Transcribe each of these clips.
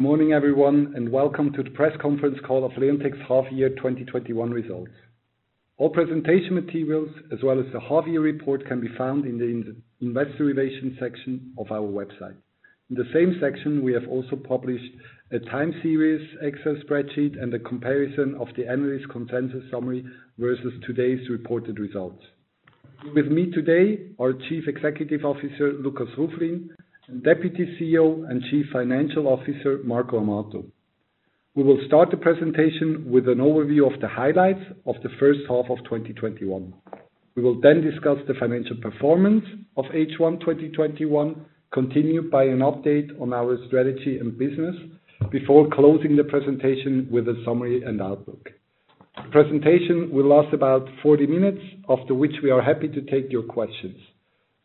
Morning everyone, welcome to the press conference call of Leonteq's half year 2021 results. All presentation materials as well as the half year report can be found in the investor relations section of our website. In the same section, we have also published a time series Excel spreadsheet and a comparison of the analyst consensus summary versus today's reported results. With me today are Chief Executive Officer, Lukas Ruflin, and Deputy CEO and Chief Financial Officer, Marco Amato. We will start the presentation with an overview of the highlights of the first half of 2021. We will then discuss the financial performance of H1 2021, continued by an update on our strategy and business, before closing the presentation with a summary and outlook. The presentation will last about 40 minutes, after which we are happy to take your questions.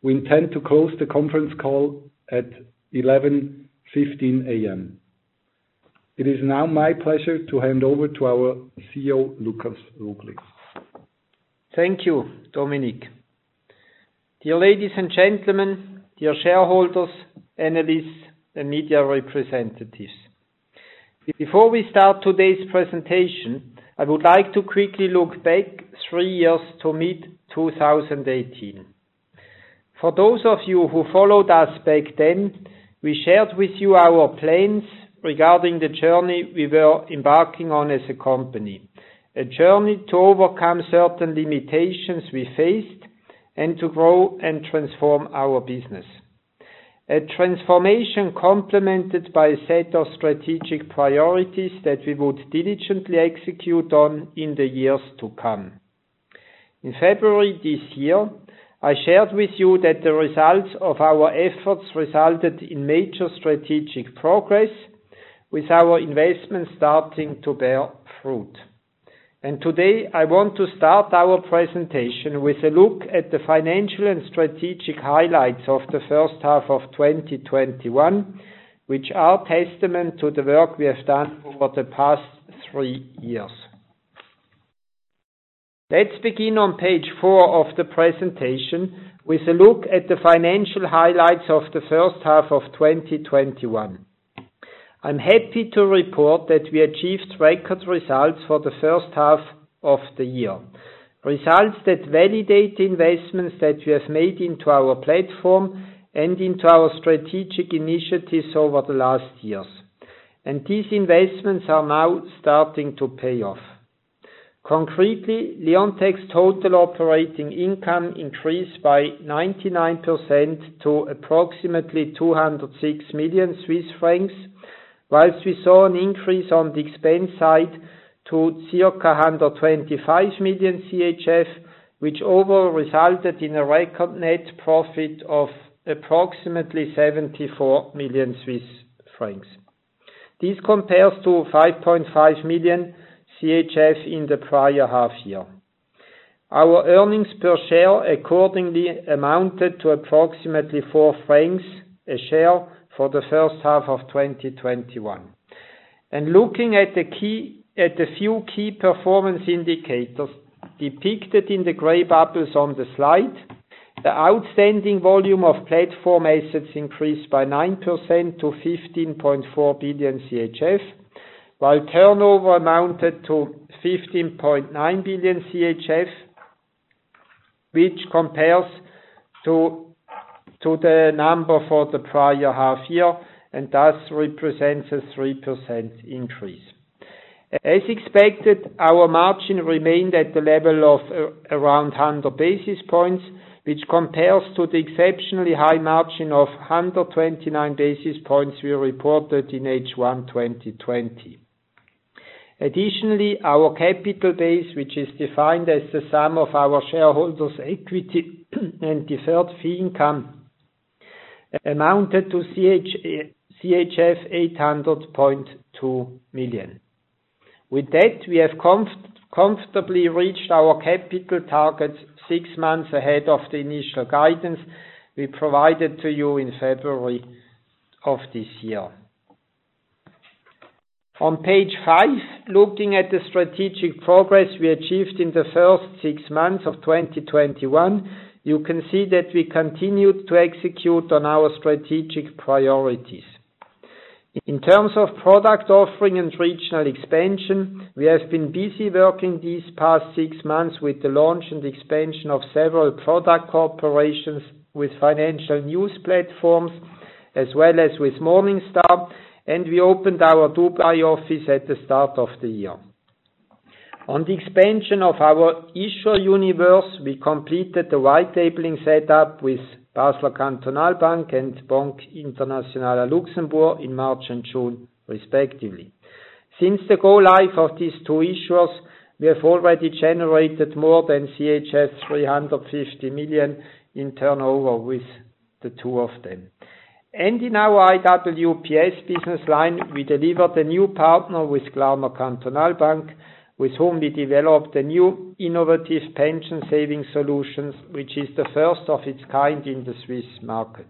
We intend to close the conference call at 11:15 A.M. It is now my pleasure to hand over to our CEO, Lukas Ruflin. Thank you, Dominik. Dear ladies and gentlemen, dear shareholders, analysts, and media representatives, before we start today's presentation, I would like to quickly look back three years to mid-2018. For those of you who followed us back then, we shared with you our plans regarding the journey we were embarking on as a company. A journey to overcome certain limitations we faced and to grow and transform our business. A transformation complemented by a set of strategic priorities that we would diligently execute on in the years to come. In February this year, I shared with you that the results of our efforts resulted in major strategic progress with our investments starting to bear fruit. Today, I want to start our presentation with a look at the financial and strategic highlights of the first half of 2021, which are testament to the work we have done over the past three years. Let's begin on page four of the presentation with a look at the financial highlights of the first half of 2021. I'm happy to report that we achieved record results for the first half of the year. Results that validate the investments that we have made into our platform and into our strategic initiatives over the last years, and these investments are now starting to pay off. Concretely, Leonteq's total operating income increased by 99% to approximately 206 million Swiss francs. Whilst we saw an increase on the expense side to circa 125 million CHF, which overall resulted in a record net profit of approximately 74 million Swiss francs. This compares to 5.5 million CHF in the prior half year. Our earnings per share accordingly amounted to approximately 4 francs a share for the first half of 2021. Looking at the few key performance indicators depicted in the gray bubbles on the slide, the outstanding volume of platform assets increased by 9% to 15.4 billion CHF, while turnover amounted to 15.9 billion CHF, which compares to the number for the prior half year, thus represents a 3% increase. As expected, our margin remained at the level of around 100 basis points, which compares to the exceptionally high margin of 129 basis points we reported in H1 2020. Additionally, our capital base, which is defined as the sum of our shareholder's equity and deferred fee income, amounted to CHF 800.2 million. With that, we have comfortably reached our capital targets six months ahead of the initial guidance we provided to you in February of this year. On page five, looking at the strategic progress we achieved in the first six months of 2021, you can see that we continued to execute on our strategic priorities. In terms of product offering and regional expansion, we have been busy working these past six months with the launch and expansion of several product cooperations with financial news platforms, as well as with Morningstar. We opened our Dubai office at the start of the year. On the expansion of our issuer universe, we completed the white labeling setup with Basler Kantonalbank and Banque Internationale à Luxembourg in March and June respectively. Since the go live of these two issuers, we have already generated more than 350 million in turnover with the two of them. In our IWPS business line, we delivered a new partner with Glarner Kantonalbank, with whom we developed a new innovative pension savings solution, which is the first of its kind in the Swiss market.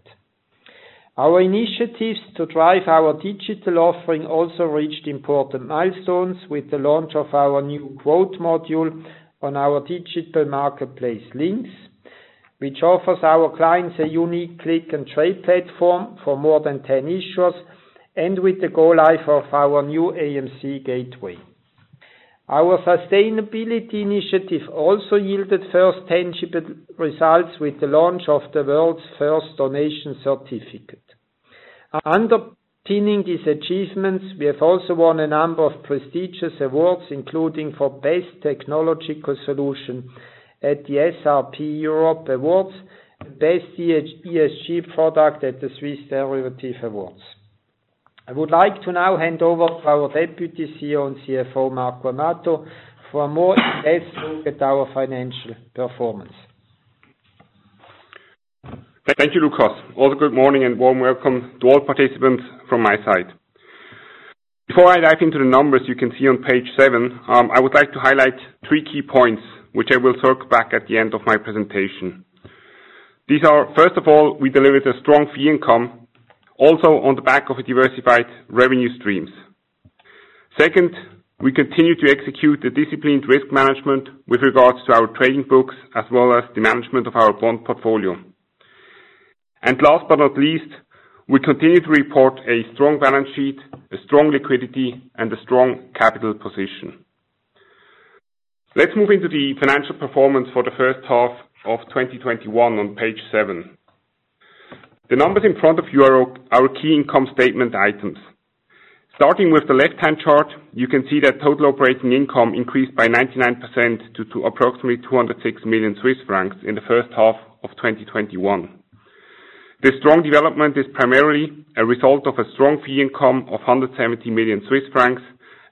Our initiatives to drive our digital offering also reached important milestones with the launch of our new quote module on our digital marketplace LynQs, which offers our clients a unique click and trade platform for more than 10 issuers and with the go live of our new AMC Gateway. Our sustainability initiative also yielded first tangible results with the launch of the world's first donation certificate. Underpinning these achievements, we have also won a number of prestigious awards, including for best technological solution at the SRP Europe Awards, Best ESG-Product at the Swiss Derivative Awards. I would like to now hand over to our Deputy CEO and CFO, Marco Amato, for a more in-depth look at our financial performance. Thank you, Lukas. Good morning and warm welcome to all participants from my side. Before I dive into the numbers you can see on page seven, I would like to highlight three key points, which I will circle back at the end of my presentation. These are, first of all, we delivered a strong fee income, also on the back of diversified revenue streams. Second, we continue to execute a disciplined risk management with regards to our trading books, as well as the management of our bond portfolio. Last but not least, we continue to report a strong balance sheet, a strong liquidity, and a strong capital position. Let's move into the financial performance for the first half of 2021 on page seven. The numbers in front of you are our key income statement items. Starting with the left-hand chart, you can see that total operating income increased by 99% to approximately 206 million Swiss francs in the first half of 2021. The strong development is primarily a result of a strong fee income of 170 million Swiss francs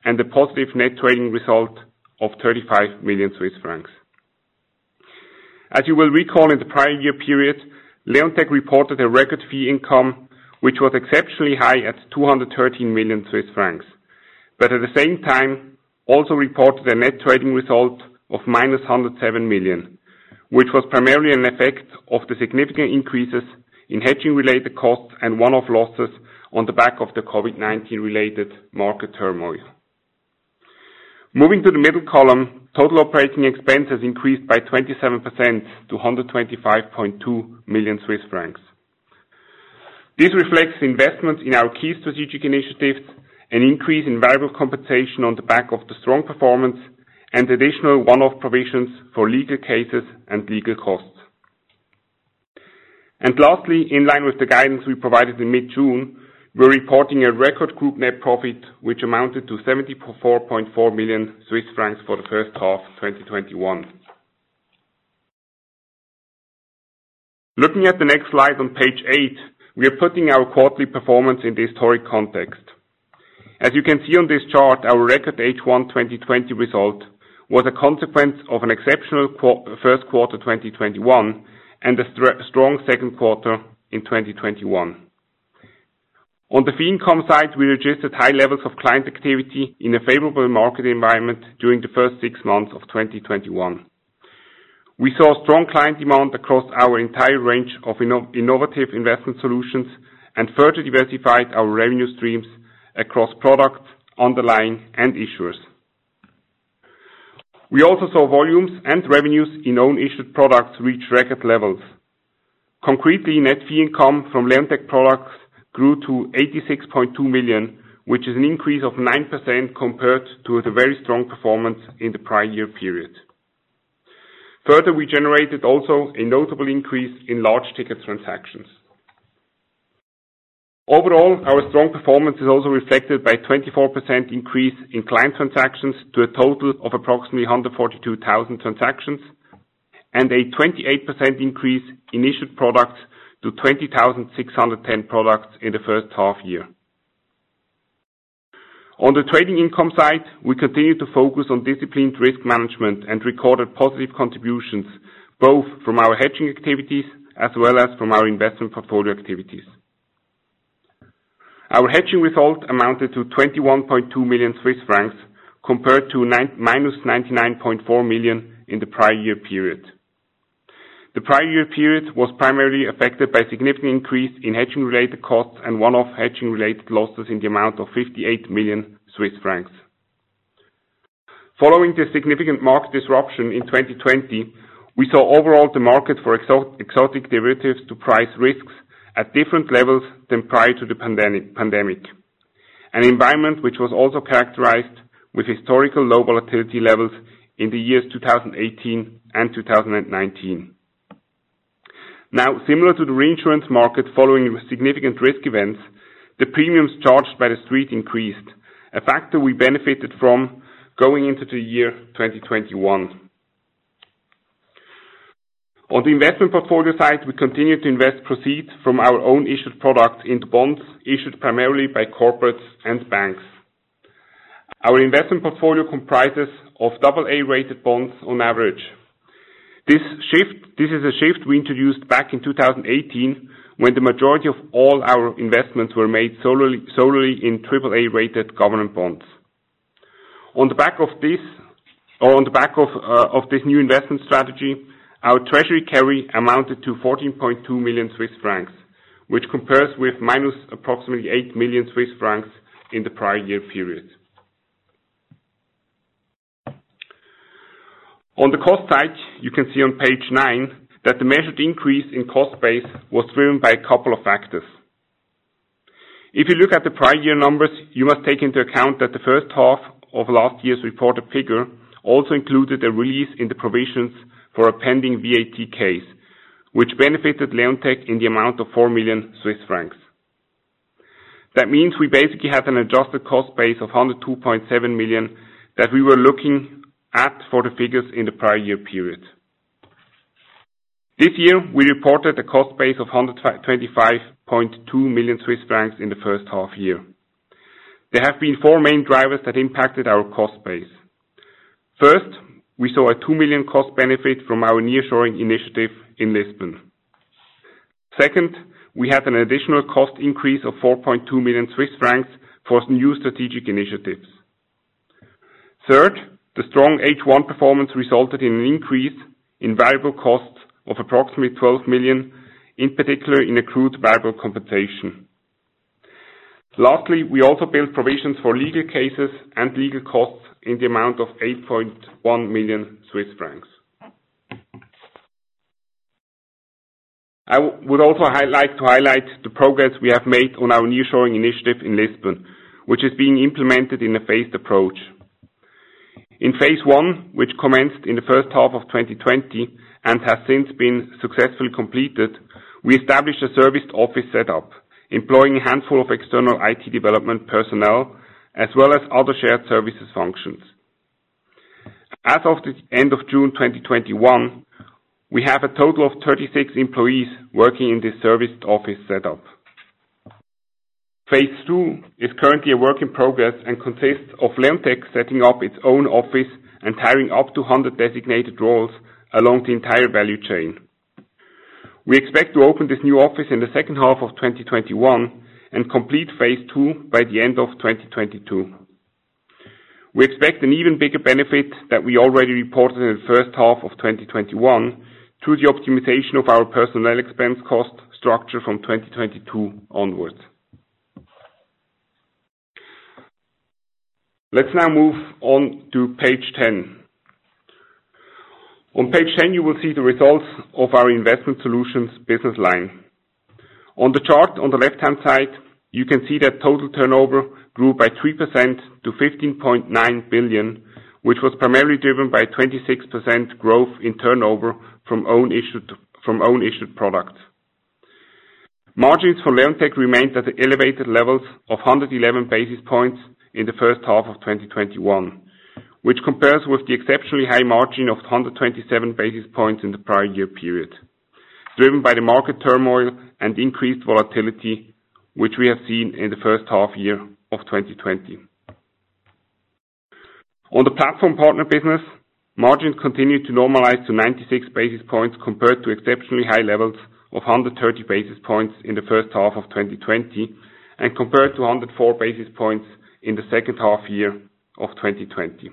and a positive net trading result of 35 million Swiss francs. As you will recall in the prior year period, Leonteq reported a record fee income, which was exceptionally high at 213 million Swiss francs. At the same time, also reported a net trading result of -107 million, which was primarily an effect of the significant increases in hedging-related costs and one-off losses on the back of the COVID-19 related market turmoil. Moving to the middle column, total operating expenses increased by 27% to 125.2 million Swiss francs. This reflects investments in our key strategic initiatives, an increase in variable compensation on the back of the strong performance, and additional one-off provisions for legal cases and legal costs. Lastly, in line with the guidance we provided in mid-June, we're reporting a record group net profit, which amounted to 74.4 million Swiss francs for the first half 2021. Looking at the next slide on page eight, we are putting our quarterly performance in the historic context. As you can see on this chart, our record [H1 2020] result was a consequence of an exceptional first quarter 2021 and a strong second quarter in 2021. On the fee income side, we registered high levels of client activity in a favorable market environment during the first six months of 2021. We saw strong client demand across our entire range of innovative investment solutions and further diversified our revenue streams across products, underlying, and issuers. We also saw volumes and revenues in own issued products reach record levels. Concretely, net fee income from Leonteq products grew to 86.2 million, which is an increase of 9% compared to the very strong performance in the prior year period. Further, we generated also a notable increase in large ticket transactions. Overall, our strong performance is also reflected by a 24% increase in client transactions to a total of approximately 142,000 transactions, and a 28% increase in issued products to 20,610 products in the first half year. On the trading income side, we continue to focus on disciplined risk management and recorded positive contributions both from our hedging activities as well as from our investment portfolio activities. Our hedging result amounted to 21.2 million Swiss francs compared to -99.4 million in the prior year period. The prior year period was primarily affected by a significant increase in hedging-related costs and one-off hedging-related losses in the amount of 58 million Swiss francs. Following the significant market disruption in 2020, we saw overall the market for exotic derivatives to price risks at different levels than prior to the pandemic. An environment which was also characterized with historical low volatility levels in the years 2018 and 2019. Now, similar to the reinsurance market following significant risk events, the premiums charged by the street increased, a factor we benefited from going into the year 2021. On the investment portfolio side, we continued to invest proceeds from our own issued product into bonds issued primarily by corporates and banks. Our investment portfolio comprises of AA-rated bonds on average. This is a shift we introduced back in 2018 when the majority of all our investments were made solely in AAA-rated government bonds. On the back of this new investment strategy, our treasury carry amounted to 14.2 million Swiss francs, which compares with minus approximately 8 million Swiss francs in the prior year period. On the cost side, you can see on page nine that the measured increase in cost base was driven by a couple of factors. If you look at the prior year numbers, you must take into account that the first half of last year's reported figure also included a release in the provisions for a pending VAT case, which benefited Leonteq in the amount of 4 million Swiss francs. That means we basically had an adjusted cost base of 102.7 million that we were looking at for the figures in the prior year period. This year, we reported a cost base of 125.2 million Swiss francs in the first half year. There have been four main drivers that impacted our cost base. First, we saw a 2 million cost benefit from our nearshoring initiative in Lisbon. Second, we had an additional cost increase of 4.2 million Swiss francs for new strategic initiatives. Third, the strong H1 performance resulted in an increase in variable costs of approximately 12 million, in particular in accrued variable compensation. Lastly, we also built provisions for legal cases and legal costs in the amount of 8.1 million Swiss francs. I would also like to highlight the progress we have made on our nearshoring initiative in Lisbon, which is being implemented in a phased approach. In Phase 1, which commenced in the first half of 2020 and has since been successfully completed, we established a serviced office setup employing a handful of external IT development personnel, as well as other shared services functions. As of the end of June 2021, we have a total of 36 employees working in this serviced office setup. Phase 2 is currently a work in progress and consists of Leonteq setting up its own office and hiring up to 100 designated roles along the entire value chain. We expect to open this new office in the second half of 2021 and complete Phase 2 by the end of 2022. We expect an even bigger benefit that we already reported in the first half of 2021 through the optimization of our personnel expense cost structure from 2022 onwards. Let's now move on to page 10. On page 10, you will see the results of our investment solutions business line. On the chart on the left-hand side, you can see that total turnover grew by 3% to 15.9 billion, which was primarily driven by a 26% growth in turnover from own issued product. Margins for Leonteq remained at the elevated levels of 111 basis points in the first half of 2021. Which compares with the exceptionally high margin of 127 basis points in the prior year period, driven by the market turmoil and increased volatility, which we have seen in the first half year of 2020. On the platform partner business, margins continued to normalize to 96 basis points, compared to exceptionally high levels of 130 basis points in the first half of 2020, and compared to 104 basis points in the second half year of 2020.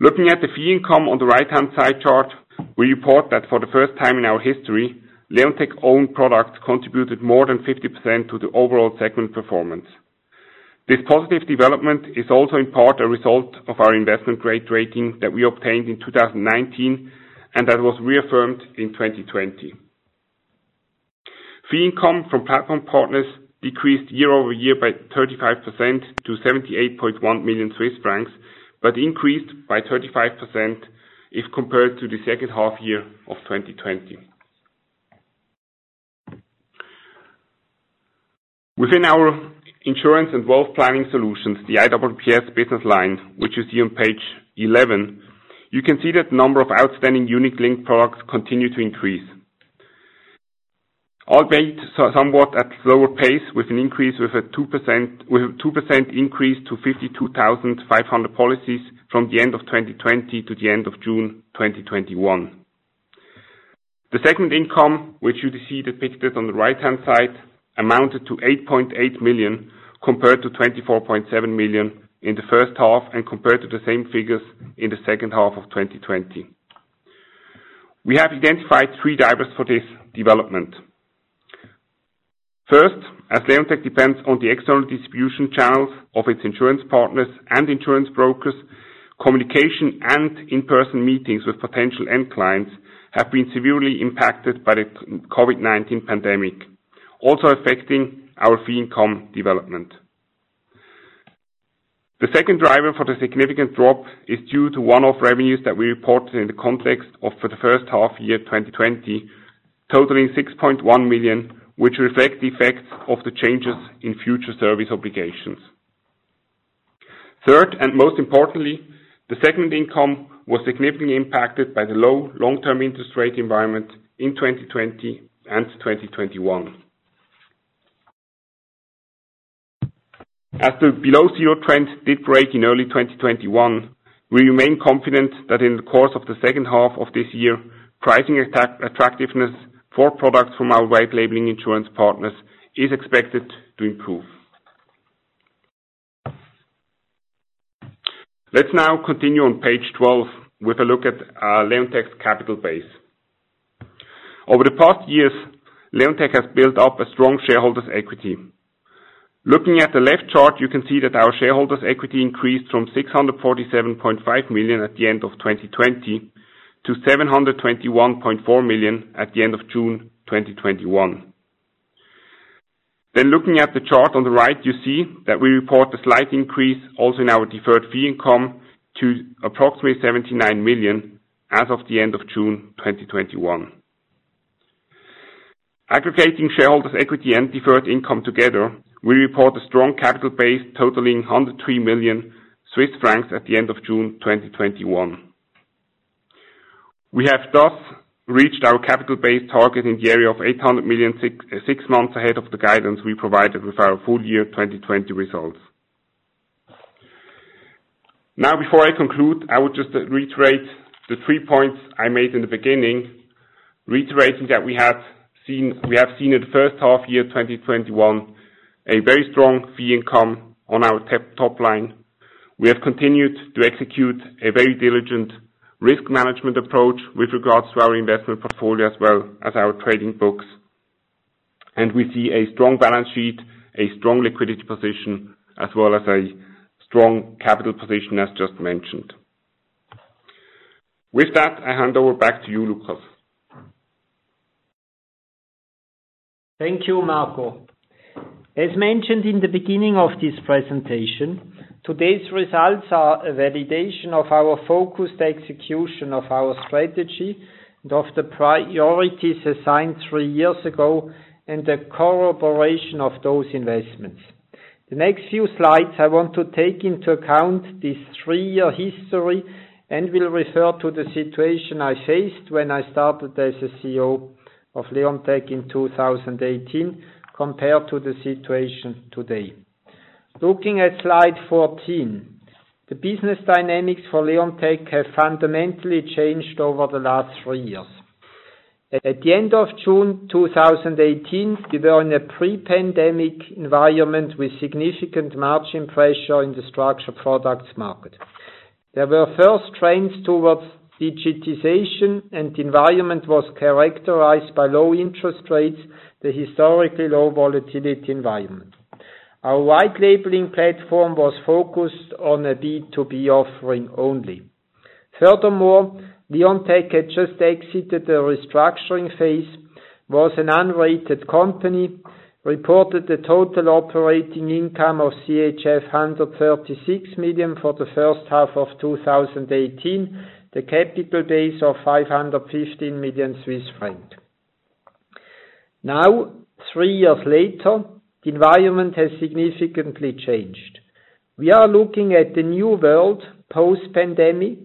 Looking at the fee income on the right-hand side chart, we report that for the first time in our history, Leonteq owned products contributed more than 50% to the overall segment performance. This positive development is also in part a result of our investment grade rating that we obtained in 2019, and that was reaffirmed in 2020. Fee income from platform partners decreased year-over-year by 35% to 78.1 million Swiss francs, but increased by 35% if compared to the second half year of 2020. Within our insurance and wealth planning solutions, the IWPS business line, which you see on page 11, you can see that the number of outstanding unit-linked products continue to increase. Albeit somewhat at slower pace with a 2% increase to 52,500 policies from the end of 2020 to the end of June 2021. The segment income, which you see depicted on the right-hand side, amounted to 8.8 million, compared to 24.7 million in the first half, and compared to the same figures in the second half of 2020. We have identified three drivers for this development. First, as Leonteq depends on the external distribution channels of its insurance partners and insurance brokers, communication and in-person meetings with potential end clients have been severely impacted by the COVID-19 pandemic, also affecting our fee income development. The second driver for the significant drop is due to one-off revenues that we reported in the context of the first half year 2020, totaling 6.1 million, which reflect the effects of the changes in future service obligations. Third, most importantly, the segment income was significantly impacted by the low long-term interest rate environment in 2020 and 2021. As the below zero trend did break in early 2021, we remain confident that in the course of the second half of this year, pricing attractiveness for products from our white labeling insurance partners is expected to improve. Let's now continue on page 12 with a look at Leonteq's capital base. Over the past years, Leonteq has built up a strong shareholders' equity. Looking at the left chart, you can see that our shareholders' equity increased from 647.5 million at the end of 2020 to 721.4 million at the end of June 2021. Looking at the chart on the right, you see that we report a slight increase also in our deferred fee income to approximately 79 million as of the end of June 2021. Aggregating shareholders' equity and deferred income together, we report a strong capital base totaling [103 million Swiss francs] at the end of June 2021. We have thus reached our capital base target in the area of 800 million, six months ahead of the guidance we provided with our full year 2020 results. Now, before I conclude, I would just reiterate the three points I made in the beginning, reiterating that we have seen in the first half year 2021 a very strong fee income on our top line. We have continued to execute a very diligent risk management approach with regards to our investment portfolio, as well as our trading books. We see a strong balance sheet, a strong liquidity position, as well as a strong capital position, as just mentioned. With that, I hand over back to you, Lukas. Thank you, Marco. As mentioned in the beginning of this presentation, today's results are a validation of our focused execution of our strategy and of the priorities assigned three years ago and the corroboration of those investments. The next few slides I want to take into account this three-year history and will refer to the situation I faced when I started as a CEO of Leonteq in 2018, compared to the situation today. Looking at slide 14, the business dynamics for Leonteq have fundamentally changed over the last three years. At the end of June 2018, we were in a pre-pandemic environment with significant margin pressure in the structured products market. There were first trends towards digitization, and the environment was characterized by low interest rates, the historically low volatility environment. Our white labeling platform was focused on a B2B offering only. Furthermore, Leonteq had just exited the restructuring phase, was an unrated company, reported a total operating income of CHF 136 million for the first half of 2018, the capital base of 515 million Swiss francs. Now, three years later, the environment has significantly changed. We are looking at the new world post-pandemic,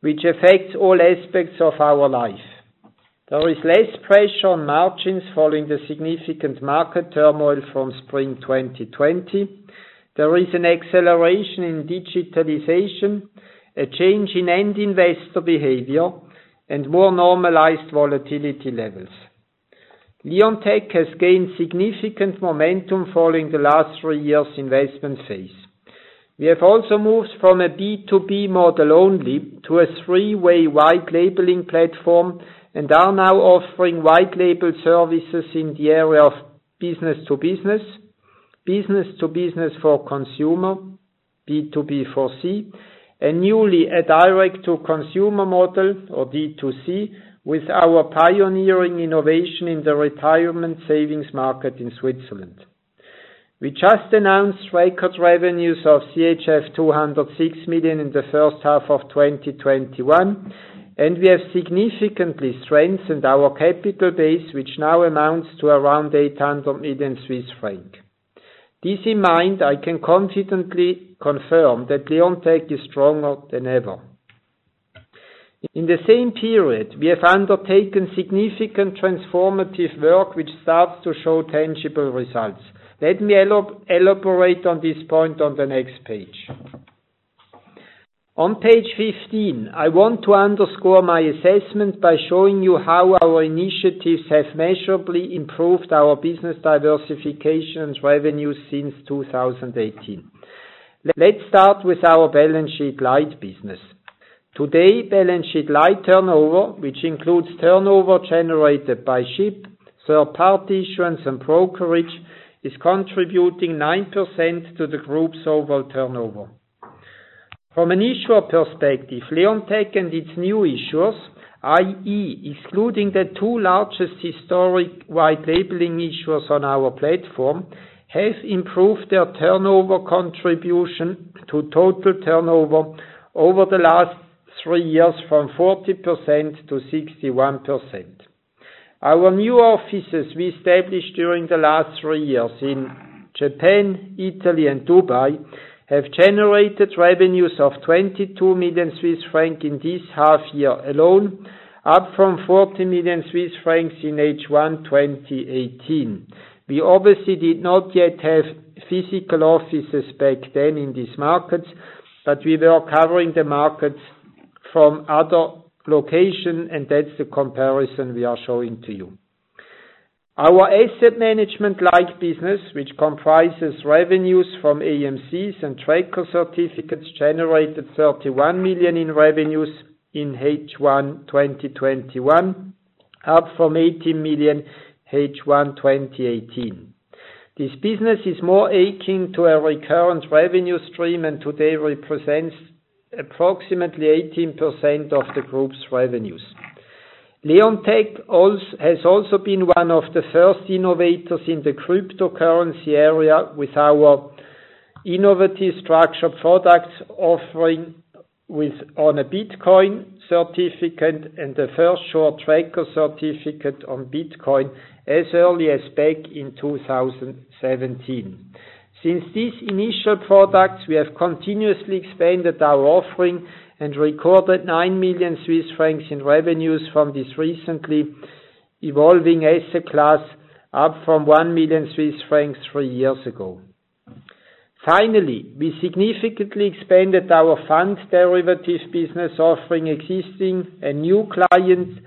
which affects all aspects of our life. There is less pressure on margins following the significant market turmoil from Spring 2020. There is an acceleration in digitalization, a change in end investor behavior, and more normalized volatility levels. Leonteq has gained significant momentum following the last three years' investment phase. We have also moved from a B2B model only to a three-way white labeling platform and are now offering white label services in the area of business to business to business for consumer, B2B4C, and newly, a Direct-to-Consumer model or D2C with our pioneering innovation in the retirement savings market in Switzerland. We just announced record revenues of CHF 206 million in the first half of 2021, and we have significantly strengthened our capital base, which now amounts to around 800 million Swiss francs. This in mind, I can confidently confirm that Leonteq is stronger than ever. In the same period, we have undertaken significant transformative work which starts to show tangible results. Let me elaborate on this point on the next page. On page 15, I want to underscore my assessment by showing you how our initiatives have measurably improved our business diversification and revenues since 2018. Let's start with our balance sheet light business. Today, balance sheet light turnover, which includes turnover generated by SHIP, third-party issuance, and brokerage, is contributing 9% to the group's overall turnover. From an issuer perspective, Leonteq and its new issuers, i.e., excluding the two largest historic white labeling issuers on our platform, have improved their turnover contribution to total turnover over the last three years from 40% to 61%. Our new offices we established during the last three years in Japan, Italy, and Dubai, have generated revenues of 22 million Swiss francs in this half year alone, up from 40 million Swiss francs in H1 2018. We obviously did not yet have physical offices back then in these markets, but we were covering the markets from other location, and that's the comparison we are showing to you. Our asset management-like business, which comprises revenues from AMCs and tracker certificates, generated 31 million in revenues in H1 2021, up from 18 million H1 2018. This business is more akin to a recurrent revenue stream and today represents approximately 18% of the group's revenues. Leonteq has also been one of the first innovators in the cryptocurrency area with our innovative structured products offering on a Bitcoin certificate and the first Short Tracker Certificate on Bitcoin as early as back in 2017. Since these initial products, we have continuously expanded our offering and recorded 9 million Swiss francs in revenues from this recently evolving asset class, up from 1 million Swiss francs three years ago. We significantly expanded our funds derivatives business offering existing and new clients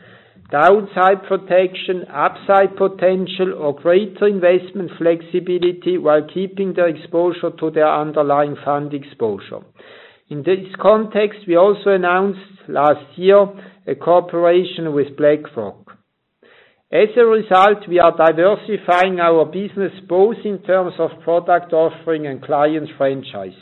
downside protection, upside potential, or greater investment flexibility while keeping their exposure to their underlying fund exposure. In this context, we also announced last year a cooperation with BlackRock. As a result, we are diversifying our business both in terms of product offering and client franchise.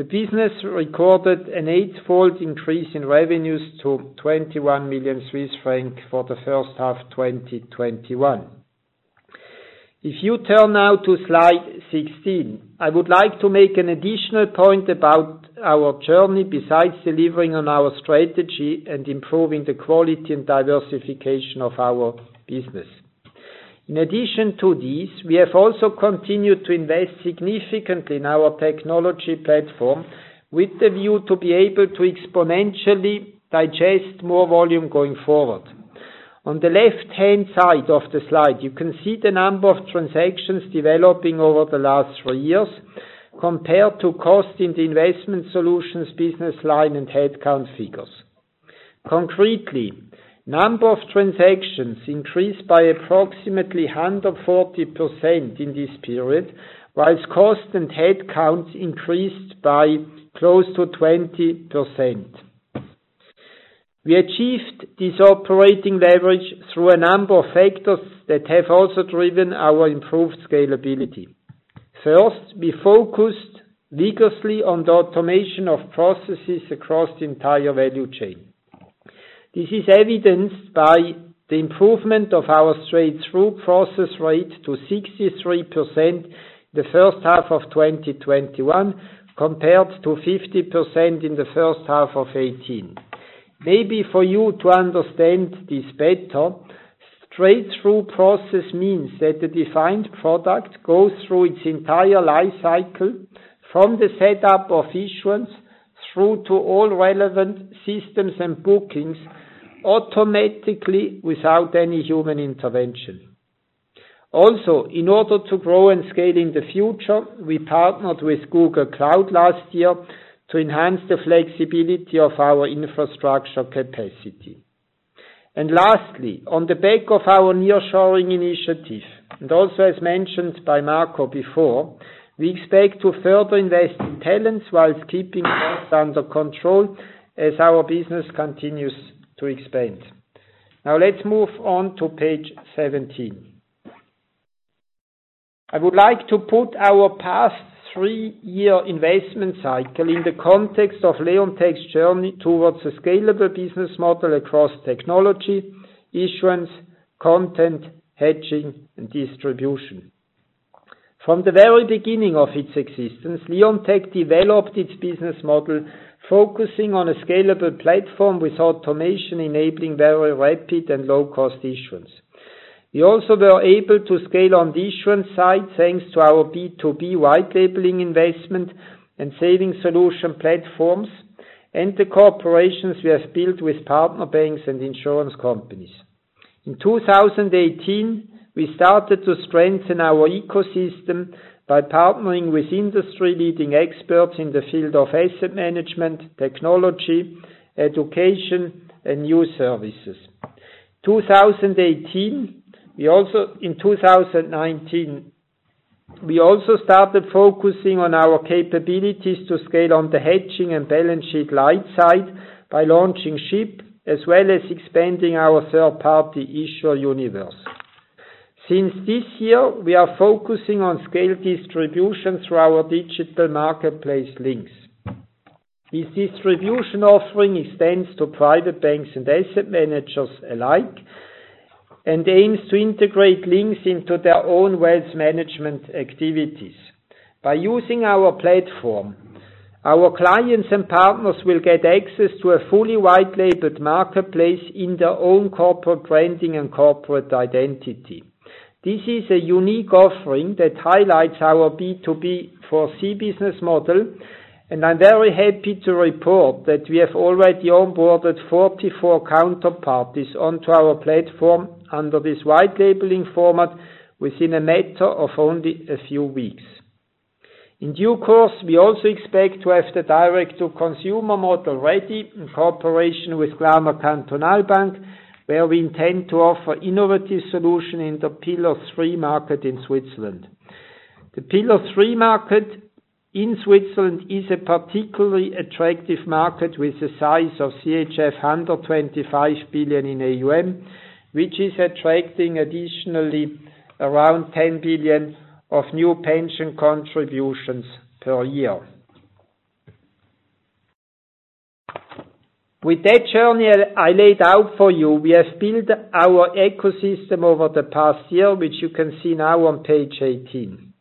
The business recorded an eightfold increase in revenues to 21 million Swiss francs for the first half 2021. If you turn now to slide 16, I would like to make an additional point about our journey besides delivering on our strategy and improving the quality and diversification of our business. We have also continued to invest significantly in our technology platform with the view to be able to exponentially digest more volume going forward. On the left-hand side of the slide, you can see the number of transactions developing over the last three years compared to cost in the investment solutions, business line, and head count figures. Concretely, number of transactions increased by approximately 140% in this period, whilst cost and head count increased by close to 20%. We achieved this operating leverage through a number of factors that have also driven our improved scalability. First, we focused vigorously on the automation of processes across the entire value chain. This is evidenced by the improvement of our straight-through processing rate to 63% in the first half of 2021, compared to 50% in the first half of 2018. Maybe for you to understand this better, straight-through processing means that the defined product goes through its entire life cycle from the setup of issuance through to all relevant systems and bookings automatically without any human intervention. In order to grow and scale in the future, we partnered with Google Cloud last year to enhance the flexibility of our infrastructure capacity. Lastly, on the back of our nearshoring initiative, and also as mentioned by Marco before, we expect to further invest in talents whilst keeping costs under control as our business continues to expand. Let's move on to page 17. I would like to put our past three-year investment cycle in the context of Leonteq's journey towards a scalable business model across technology, issuance, content, hedging, and distribution. From the very beginning of its existence, Leonteq developed its business model focusing on a scalable platform with automation enabling very rapid and low-cost issuance. We also were able to scale on the issuance side, thanks to our B2B white-labeling investment and saving solution platforms and the cooperations we have built with partner banks and insurance companies. In 2018, we started to strengthen our ecosystem by partnering with industry-leading experts in the field of asset management, technology, education, and new services. In 2019, we also started focusing on our capabilities to scale on the hedging and balance sheet light side by launching SHIP, as well as expanding our third-party issuer universe. Since this year, we are focusing on scale distribution through our digital marketplace LynQs. This distribution offering extends to private banks and asset managers alike and aims to integrate LynQs into their own wealth management activities. By using our platform, our clients and partners will get access to a fully white-labeled marketplace in their own corporate branding and corporate identity. This is a unique offering that highlights our B2B4C business model, and I'm very happy to report that we have already onboarded 44 counterparties onto our platform under this white labeling format within a matter of only a few weeks. In due course, we also expect to have the Direct-to-Consumer model ready in cooperation with Glarner Kantonalbank, where we intend to offer innovative solution in the Pillar 3 market in Switzerland. The Pillar 3 market in Switzerland is a particularly attractive market with the size of CHF 125 billion in AUM, which is attracting additionally around 10 billion of new pension contributions per year. With that journey I laid out for you, we have built our ecosystem over the past year, which you can see now on page 18.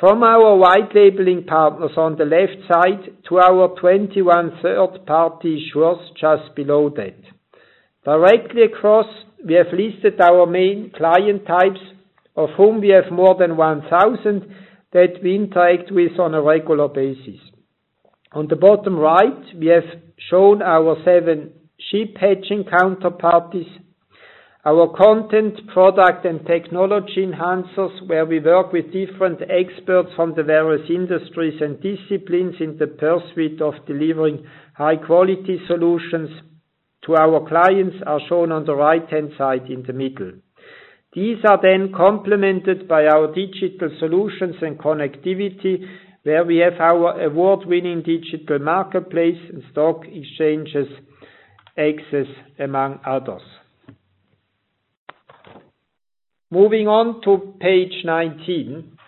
From our white labeling partners on the left side to our 21 third-party issuers just below that. Directly across, we have listed our main client types, of whom we have more than 1,000 that we interact with on a regular basis. On the bottom right, we have shown our seven SHIP hedging counterparties. Our content, product, and technology enhancers, where we work with different experts from the various industries and disciplines in the pursuit of delivering high-quality solutions to our clients are shown on the right-hand side in the middle. These are then complemented by our digital solutions and connectivity, where we have our award-winning digital marketplace and stock exchanges access, among others. Moving on to page 19.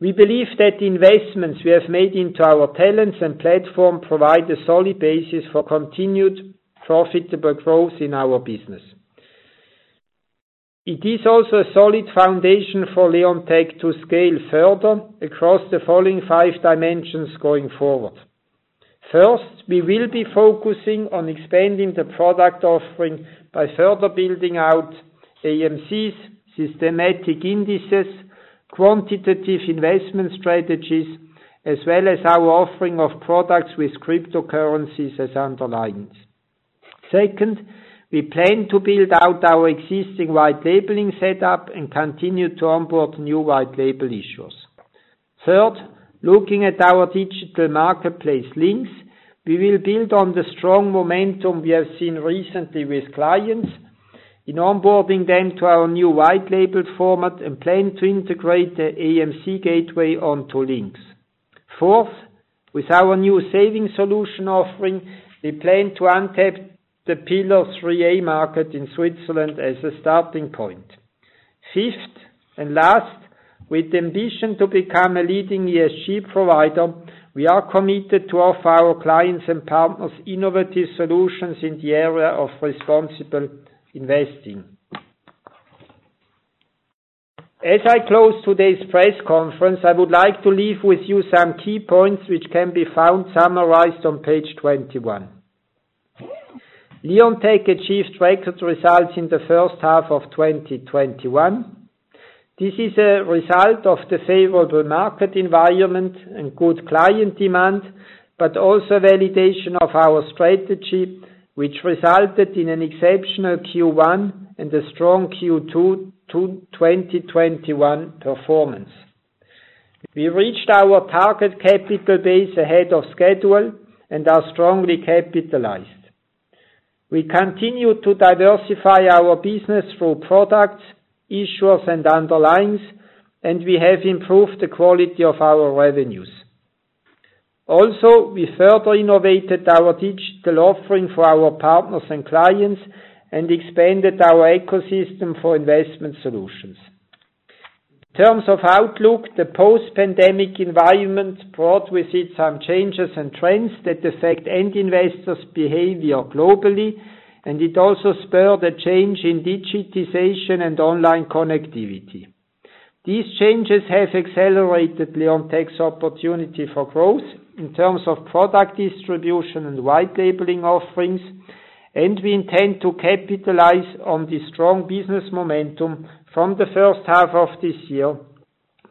We believe that the investments we have made into our talents and platform provide a solid basis for continued profitable growth in our business. It is also a solid foundation for Leonteq to scale further across the following five dimensions going forward. We will be focusing on expanding the product offering by further building out AMCs, systematic indices, quantitative investment strategies, as well as our offering of products with cryptocurrencies as underlyings. We plan to build out our existing white labeling setup and continue to onboard new white label issuers. Looking at our digital marketplace LynQs, we will build on the strong momentum we have seen recently with clients in onboarding them to our new white label format and plan to integrate the AMC Gateway onto LynQs. With our new saving solution offering, we plan to untap the Pillar 3a market in Switzerland as a starting point. Fifth, last, with the ambition to become a leading ESG provider, we are committed to offer our clients and partners innovative solutions in the area of responsible investing. As I close today's press conference, I would like to leave with you some key points which can be found summarized on page 21. Leonteq achieved record results in the first half of 2021. This is a result of the favorable market environment and good client demand, but also a validation of our strategy, which resulted in an exceptional Q1 and a strong Q2 2021 performance. We reached our target capital base ahead of schedule and are strongly capitalized. We continue to diversify our business through products, issuers, and underlyings, and we have improved the quality of our revenues. Also, we further innovated our digital offering for our partners and clients and expanded our ecosystem for investment solutions. In terms of outlook, the post-pandemic environment brought with it some changes and trends that affect end investor's behavior globally, and it also spurred a change in digitization and online connectivity. These changes have accelerated Leonteq's opportunity for growth in terms of product distribution and white labeling offerings, and we intend to capitalize on the strong business momentum from the first half of this year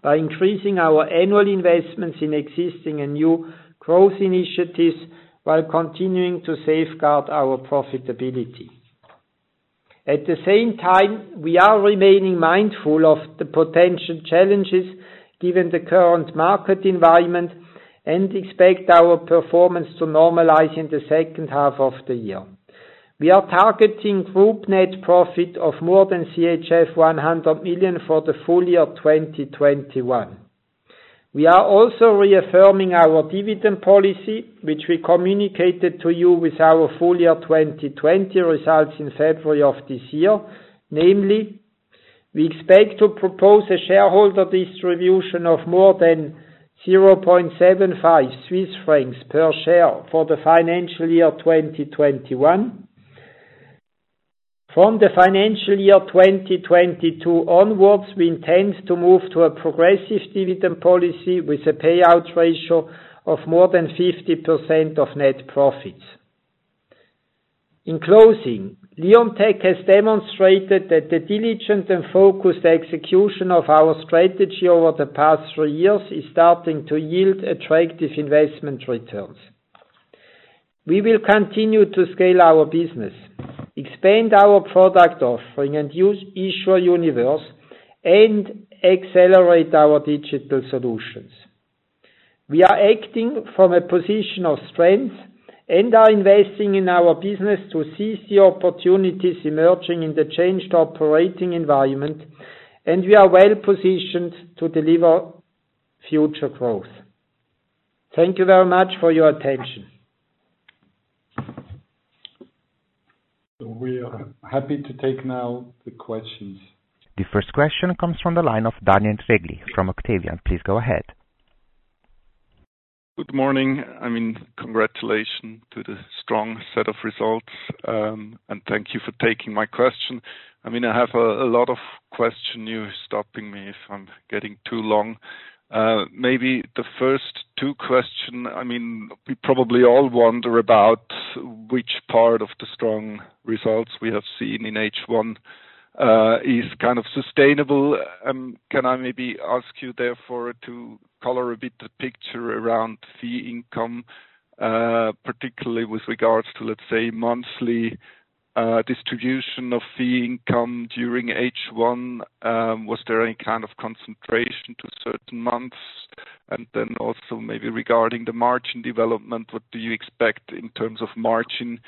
by increasing our annual investments in existing and new growth initiatives while continuing to safeguard our profitability. At the same time, we are remaining mindful of the potential challenges given the current market environment and expect our performance to normalize in the second half of the year. We are targeting group net profit of more than CHF 100 million for the full year 2021. We are also reaffirming our dividend policy, which we communicated to you with our full year 2020 results in February of this year, namely, we expect to propose a shareholder distribution of more than 0.75 Swiss francs per share for the financial year 2021. From the financial year 2022 onwards, we intend to move to a progressive dividend policy with a payout ratio of more than 50% of net profits. In closing, Leonteq has demonstrated that the diligent and focused execution of our strategy over the past three years is starting to yield attractive investment returns. We will continue to scale our business, expand our product offering and issuer universe, and accelerate our digital solutions. We are acting from a position of strength and are investing in our business to seize the opportunities emerging in the changed operating environment, and we are well-positioned to deliver future growth. Thank you very much for your attention. We are happy to take now the questions. The first question comes from the line of Daniel Regli from Octavian. Please go ahead. Good morning. Congratulations to the strong set of results. Thank you for taking my question. I have a lot of questions. You stop me if I'm getting too long. Maybe the first two questions, we probably all wonder about which part of the strong results we have seen in H1 is sustainable. Can I maybe ask you therefore to color a bit the picture around fee income, particularly with regards to, let's say, monthly distribution of fee income during H1. Was there any kind of concentration to certain months? Also maybe regarding the margin development, what do you expect in terms of margin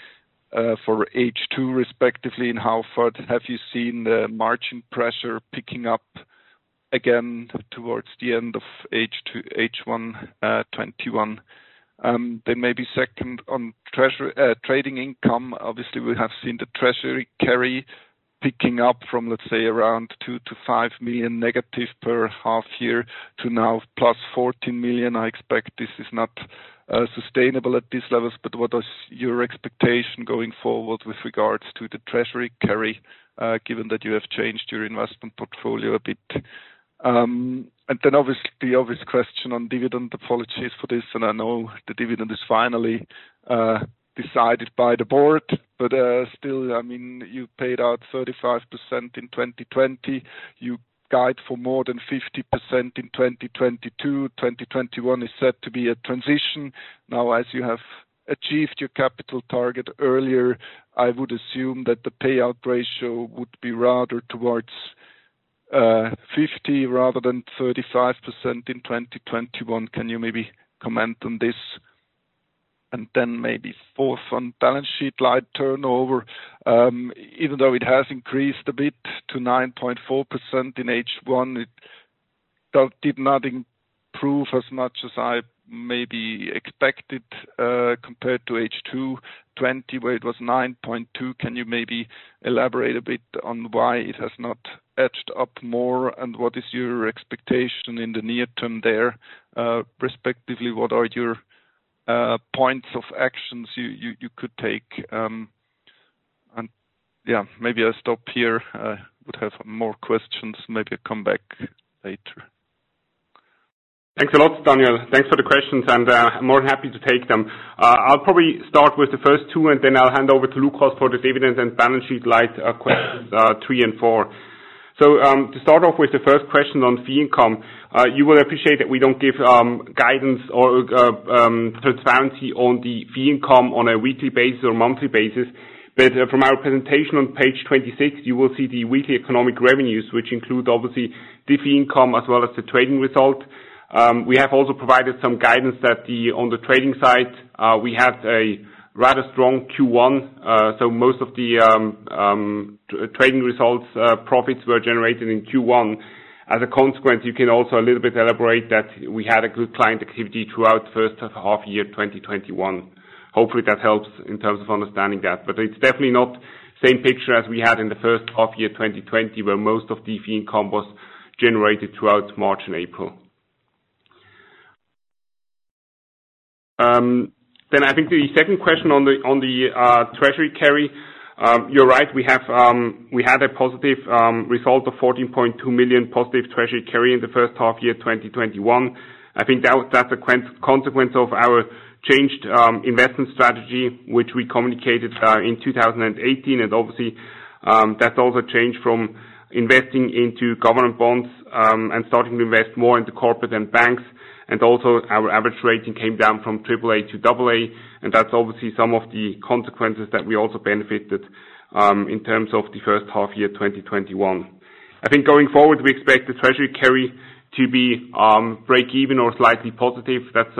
for H2 respectively, and how far have you seen the margin pressure picking up again towards the end of H1 2021? Maybe second on trading income. Obviously, we have seen the treasury carry picking up from, let's say, around 2 million-5 million negative per half year to now +14 million. I expect this is not sustainable at these levels, but what is your expectation going forward with regards to the treasury carry, given that you have changed your investment portfolio a bit? Then the obvious question on dividend. Apologies for this, and I know the dividend is finally decided by the board. Still, you paid out 35% in 2020. You guide for more than 50% in 2022. 2021 is said to be a transition. Now, as you have achieved your capital target earlier, I would assume that the payout ratio would be rather towards 50% rather than 35% in 2021. Can you maybe comment on this? Then maybe fourth, on balance sheet light turnover. Even though it has increased a bit to 9.4% in H1, it did not improve as much as I maybe expected, compared to H2 2020, where it was 9.2%. Can you maybe elaborate a bit on why it has not edged up more, and what is your expectation in the near term there? Respectively, what are your points of actions you could take? Maybe I'll stop here. I would have more questions, maybe I come back later. Thanks a lot, Daniel. Thanks for the questions, and more than happy to take them. I'll probably start with the first two, and then I'll hand over to Lukas for the dividend and balance sheet light questions three and four. To start off with the first question on fee income, you will appreciate that we don't give guidance or transparency on the fee income on a weekly basis or monthly basis. From our presentation on page 26, you will see the weekly economic revenues, which include obviously the fee income as well as the trading result. We have also provided some guidance that on the trading side, we had a rather strong Q1. Most of the trading results profits were generated in Q1. As a consequence, you can also a little bit elaborate that we had a good client activity throughout the first half year 2021. Hopefully, that helps in terms of understanding that. It's definitely not same picture as we had in the first half year 2020, where most of the fee income was generated throughout March and April. I think the second question on the treasury carry, you're right, we had a positive result of 14.2 million positive treasury carry in the first half year 2021. I think that's a consequence of our changed investment strategy, which we communicated in 2018. Obviously, that's also changed from investing into government bonds, and starting to invest more into corporate and banks. Also, our average rating came down from AAA to AA, and that's obviously some of the consequences that we also benefited in terms of the first half year 2021. I think going forward, we expect the treasury carry to be break even or slightly positive. That's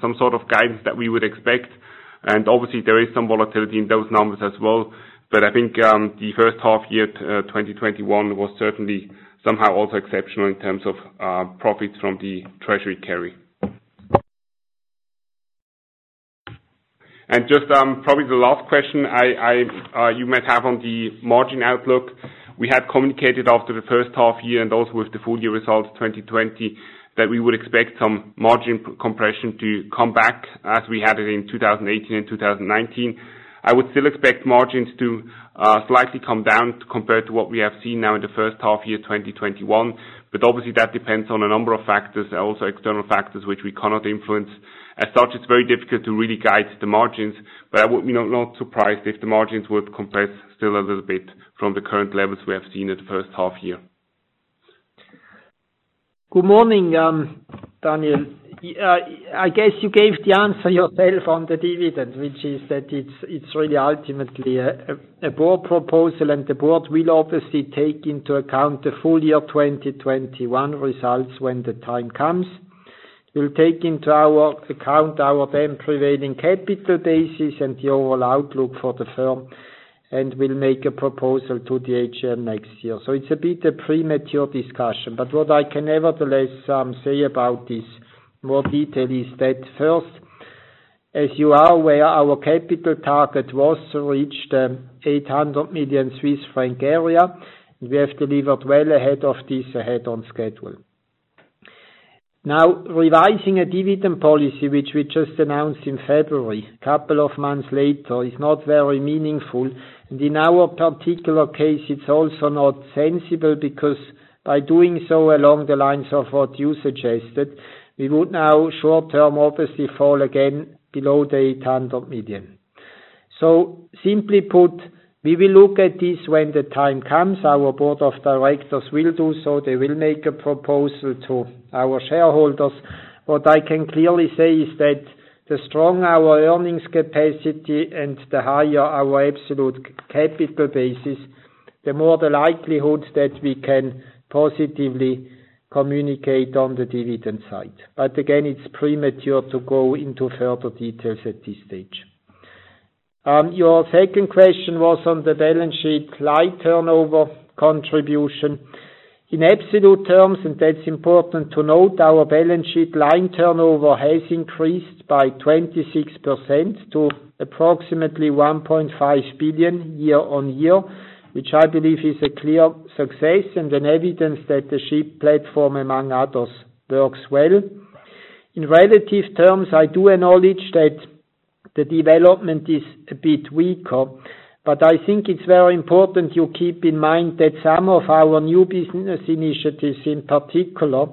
some sort of guidance that we would expect. Obviously, there is some volatility in those numbers as well. I think the first half year 2021 was certainly somehow also exceptional in terms of profits from the treasury carry. Just probably the last question you might have on the margin outlook. We had communicated after the first half year, and also with the full year results 2020, that we would expect some margin compression to come back as we had it in 2018 and 2019. I would still expect margins to slightly come down compared to what we have seen now in the first half year 2021. Obviously, that depends on a number of factors, also external factors which we cannot influence. It's very difficult to really guide the margins, but I would be not surprised if the margins would compress still a little bit from the current levels we have seen in the first half year. Good morning Daniel. I guess you gave the answer yourself on the dividend, which is that it's really ultimately a board proposal, and the board will obviously take into account the full year 2021 results when the time comes. We'll take into our account our then prevailing capital basis and the overall outlook for the firm, and we'll make a proposal to the AGM next year. It's a bit a premature discussion, but what I can nevertheless say about this, more detail is that first, as you are aware, our capital target was reached 800 million Swiss franc area, and we have delivered well ahead of this, ahead on schedule. Revising a dividend policy, which we just announced in February, a couple of months later, is not very meaningful. In our particular case, it's also not sensible because by doing so along the lines of what you suggested, we would now short-term obviously fall again below the 800 million. Simply put, we will look at this when the time comes. Our board of directors will do so. They will make a proposal to our shareholders. What I can clearly say is that the stronger our earnings capacity and the higher our absolute capital basis, the more the likelihood that we can positively communicate on the dividend side. Again, it's premature to go into further details at this stage. Your second question was on the balance sheet light turnover contribution. In absolute terms, that's important to note, our balance sheet light turnover has increased by 26% to approximately 1.5 billion year-on-year, which I believe is a clear success and an evidence that the SHIP platform, among others, works well. In relative terms, I do acknowledge that the development is a bit weaker, I think it's very important you keep in mind that some of our new business initiatives, in particular,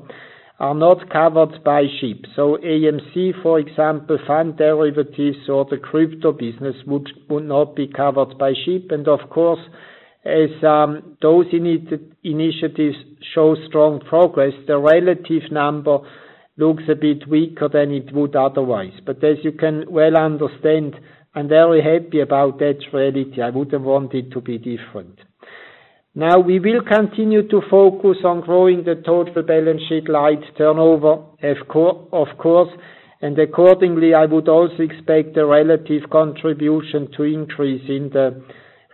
are not covered by SHIP. AMC, for example, fund derivatives or the crypto business would not be covered by SHIP. Of course, as those initiatives show strong progress, the relative number looks a bit weaker than it would otherwise. As you can well understand, I'm very happy about that reality. I wouldn't want it to be different. We will continue to focus on growing the total balance sheet light turnover, of course. Accordingly, I would also expect the relative contribution to increase in the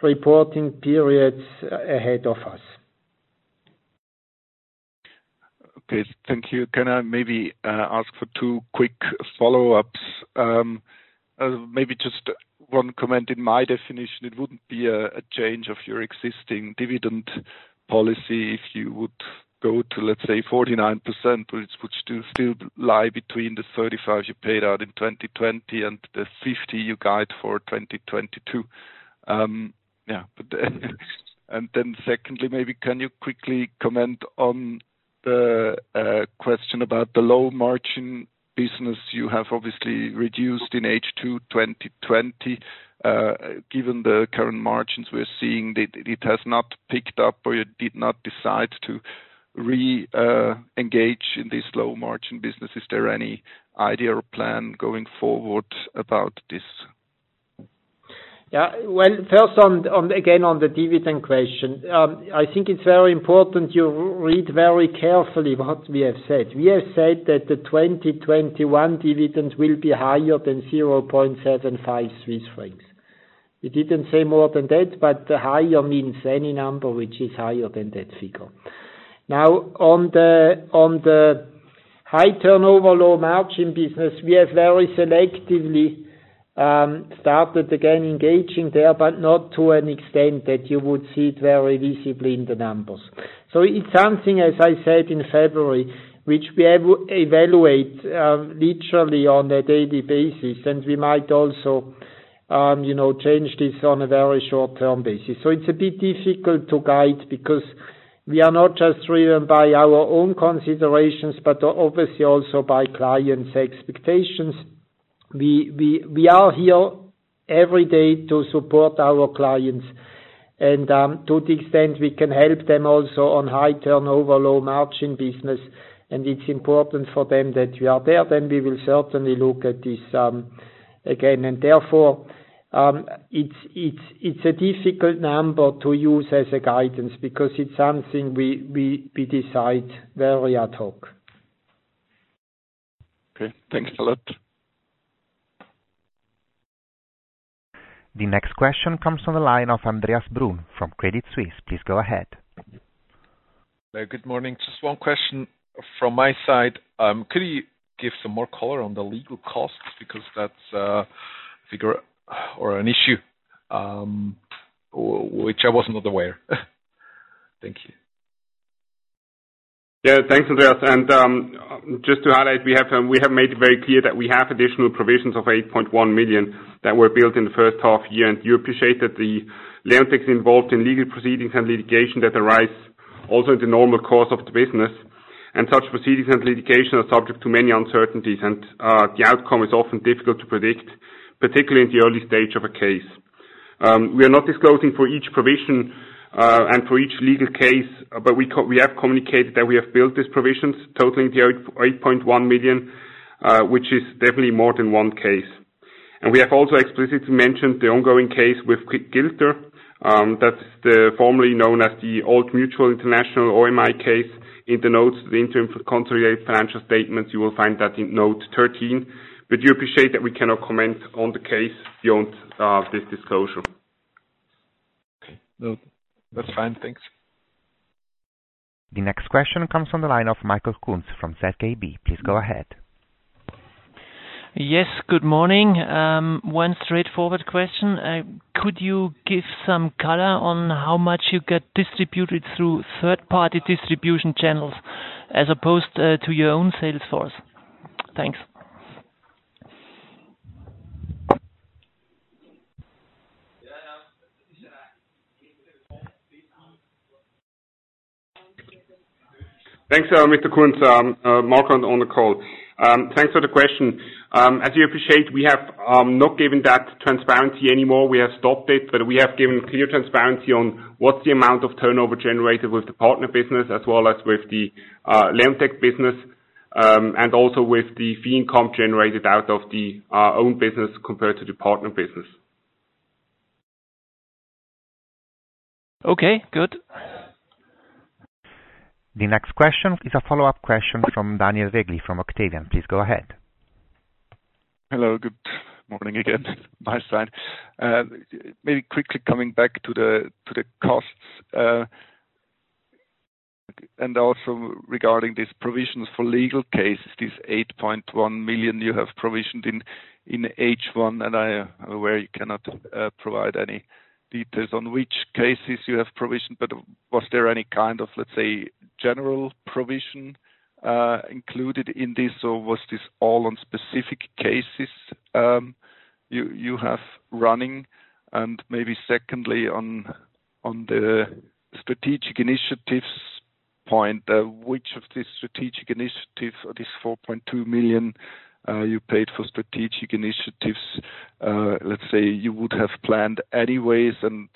reporting periods ahead of us. Okay. Thank you. Can I maybe ask for two quick follow-ups? Maybe just one comment. In my definition, it wouldn't be a change of your existing dividend policy if you would go to, let's say, 49%, which would still lie between the 35% you paid out in 2020 and the 50% you guide for 2022. Yeah. Secondly, maybe can you quickly comment on the question about the low-margin business you have obviously reduced in H2 2020, given the current margins we're seeing, that it has not picked up or you did not decide to re-engage in this low-margin business. Is there any idea or plan going forward about this? Yeah. Well, first, again, on the dividend question. I think it's very important you read very carefully what we have said. We have said that the 2021 dividends will be higher than 0.75 Swiss francs. We didn't say more than that. Higher means any number which is higher than that figure. Now, on the high turnover, low-margin business, we have very selectively started again engaging there. Not to an extent that you would see it very visibly in the numbers. It's something, as I said in February, which we evaluate literally on a daily basis. We might also change this on a very short-term basis. It's a bit difficult to guide because we are not just driven by our own considerations, but obviously also by client's expectations. We are here every day to support our clients, and to the extent we can help them also on high turnover, low-margin business, and it's important for them that we are there, then we will certainly look at this again. Therefore, it's a difficult number to use as a guidance because it's something we decide very ad hoc. Okay. Thanks a lot. The next question comes from the line of Andreas Brun from Credit Suisse. Please go ahead. Good morning. Just one question from my side. Could you give some more color on the legal costs? Because that's a figure or an issue which I was not aware of. Thank you. Thanks, Andreas. Just to highlight, we have made it very clear that we have additional provisions of 8.1 million that were built in the first half year. You appreciate that the Leonteq is involved in legal proceedings and litigation that arise also in the normal course of the business, and such proceedings and litigation are subject to many uncertainties, and the outcome is often difficult to predict, particularly in the early stage of a case. We are not disclosing for each provision and for each legal case, but we have communicated that we have built these provisions totaling the 8.1 million, which is definitely more than one case. We have also explicitly mentioned the ongoing case with Quilter, that's the formerly known as the Old Mutual International, OMI case. In the notes, the interim consolidated financial statements, you will find that in Note 13. You appreciate that we cannot comment on the case beyond this disclosure. That's fine. Thanks. The next question comes from the line of Michael Kunz from ZKB. Please go ahead. Yes, good morning. One straightforward question. Could you give some color on how much you get distributed through third-party distribution channels as opposed to your own sales force? Thanks. Thanks, Mr. Kunz. Marco on the call. Thanks for the question. As you appreciate, we have not given that transparency anymore. We have stopped it. We have given clear transparency on what's the amount of turnover generated with the partner business as well as with the Leonteq tech business, and also with the fee income generated out of the own business compared to the partner business. Okay, good. The next question is a follow-up question from Daniel Regli from Octavian. Please go ahead. Hello, good morning again. My side. Maybe quickly coming back to the costs, and also regarding these provisions for legal cases, this 8.1 million you have provisioned in H1, and I'm aware you cannot provide any details on which cases you have provisioned, but was there any kind of, let's say, general provision included in this, or was this all on specific cases you have running? Maybe secondly, on the strategic initiatives point, which of these strategic initiatives are these 4.2 million you paid for strategic initiatives let's say you would have planned anyways, and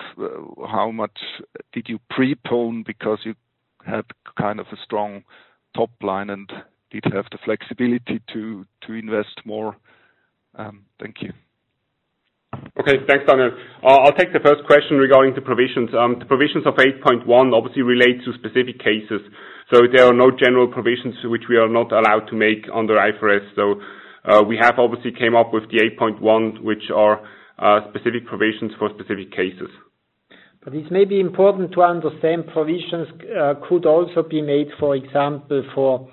how much did you prepone because you had kind of a strong top line and did have the flexibility to invest more? Thank you. Okay. Thanks, Daniel. I'll take the first question regarding the provisions. The provisions of 8.1 million obviously relate to specific cases. There are no general provisions which we are not allowed to make under IFRS. We have obviously came up with the 8.1 million, which are specific provisions for specific cases. It may be important to understand provisions could also be made, for example, for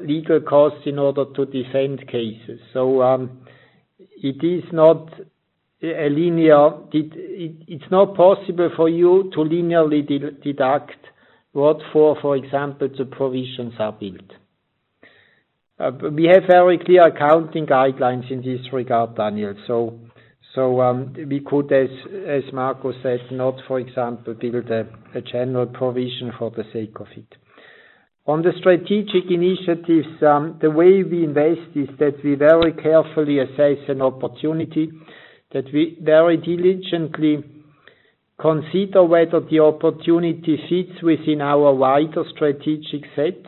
legal costs in order to defend cases. It's not possible for you to linearly deduct what for example, the provisions are built. We have very clear accounting guidelines in this regard, Daniel. We could, as Marco said, not, for example, build a general provision for the sake of it. On the strategic initiatives, the way we invest is that we very carefully assess an opportunity that we very diligently consider whether the opportunity fits within our wider strategic set.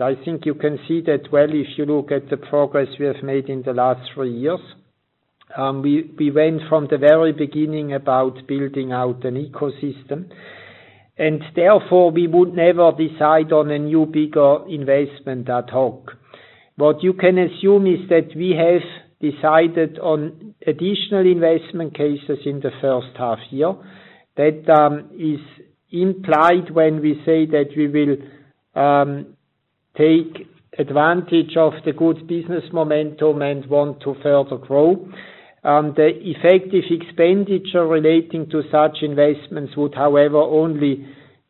I think you can see that well if you look at the progress we have made in the last three years. We went from the very beginning about building out an ecosystem, and therefore we would never decide on a new bigger investment ad hoc. What you can assume is that we have decided on additional investment cases in the first half year. That is implied when we say that we will take advantage of the good business momentum and want to further grow. The effective expenditure relating to such investments would, however, only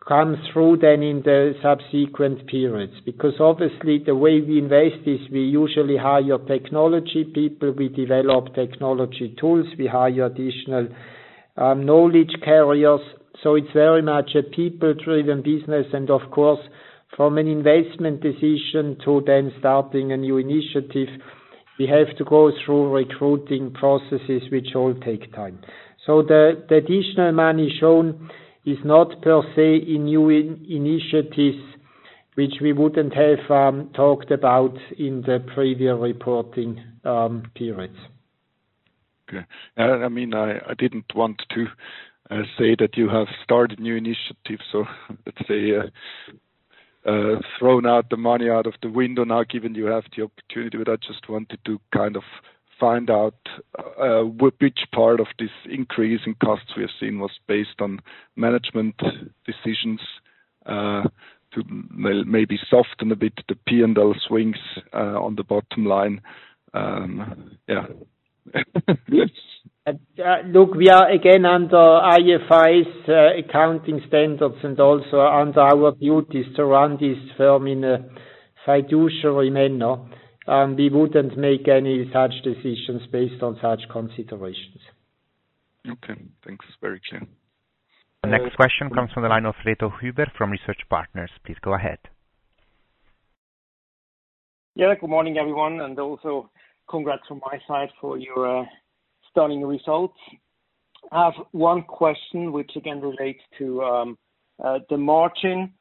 come through then in the subsequent periods. Obviously the way we invest is we usually hire technology people, we develop technology tools, we hire additional knowledge carriers. It's very much a people-driven business, and of course, from an investment decision to then starting a new initiative, we have to go through recruiting processes, which all take time. The additional money shown is not per se a new initiative, which we wouldn't have talked about in the previous reporting periods. Okay. I didn't want to say that you have started new initiatives or, let's say, thrown out the money out of the window now, given you have the opportunity. I just wanted to kind of find out which part of this increase in costs we have seen was based on management decisions to maybe soften a bit the P&L swings on the bottom line. Yeah. We are again under IFRS accounting standards and also under our duties to run this firm in a fiduciary manner. We wouldn't make any such decisions based on such considerations. Okay, thanks. It's very clear. The next question comes from the line of Reto Huber from Research Partners. Please go ahead. Yeah. Good morning, everyone, and also congrats from my side for your stunning results. I have one question, which again relates to the margin.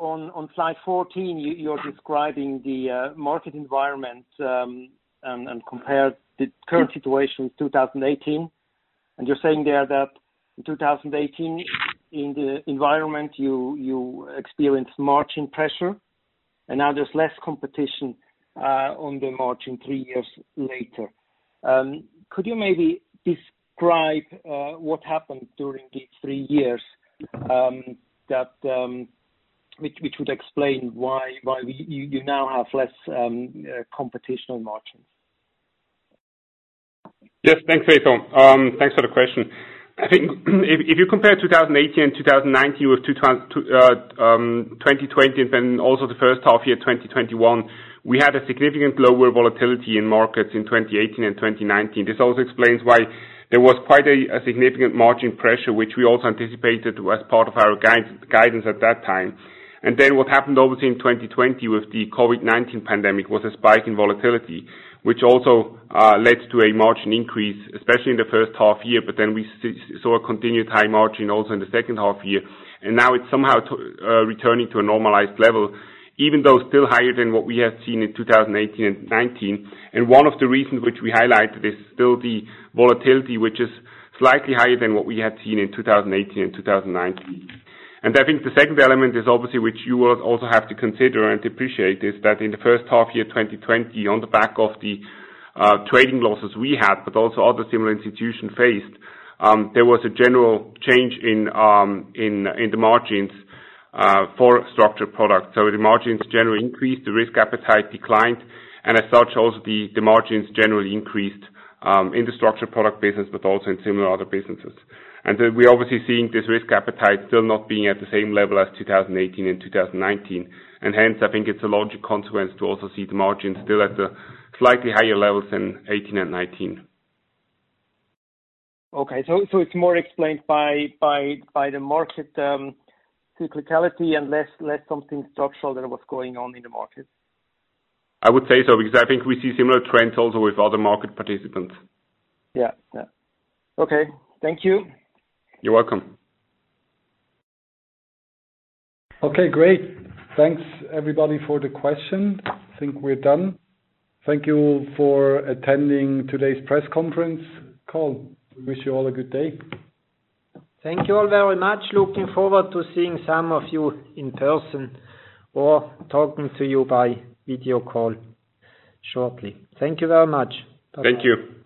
On slide 14, you're describing the market environment and compare the current situation with 2018. You're saying there that in 2018, in the environment, you experienced margin pressure, and now there's less competition on the margin three years later. Could you maybe describe what happened during these three years which would explain why you now have less competition on margins? Yes. Thanks. Thanks for the question. I think if you compare 2018 and 2019 with 2020, and then also the first half year 2021, we had a significant lower volatility in markets in 2018 and 2019. This also explains why there was quite a significant margin pressure, which we also anticipated as part of our guidance at that time. What happened obviously in 2020 with the COVID-19 pandemic was a spike in volatility, which also led to a margin increase, especially in the first half year, but then we saw a continued high margin also in the second half year. Now it's somehow returning to a normalized level, even though still higher than what we had seen in 2018 and 2019. One of the reasons which we highlighted is still the volatility, which is slightly higher than what we had seen in 2018 and 2019. I think the second element is obviously, which you will also have to consider and appreciate, is that in the first half year 2020, on the back of the trading losses we had, but also other similar institutions faced, there was a general change in the margins for structured products. The margins generally increased, the risk appetite declined, and as such, also the margins generally increased, in the structured product business, but also in similar other businesses. Then we're obviously seeing this risk appetite still not being at the same level as 2018 and 2019. Hence, I think it's a logic consequence to also see the margins still at slightly higher levels than 2018 and 2019. Okay, it's more explained by the market cyclicality and less something structural that was going on in the market. I would say so, because I think we see similar trends also with other market participants. Yeah. Okay. Thank you. You're welcome. Okay, great. Thanks everybody for the question. I think we're done. Thank you for attending today's press conference call. We wish you all a good day. Thank you all very much. Looking forward to seeing some of you in person or talking to you by video call shortly. Thank you very much. Bye-bye. Thank you.